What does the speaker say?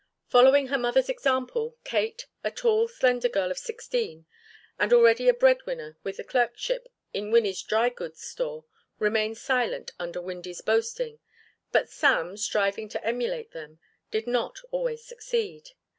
Following her mother's example, Kate, a tall slender girl of sixteen and already a bread winner with a clerkship in Winney's drygoods store, remained silent under Windy's boasting, but Sam, striving to emulate them, did not always succeed.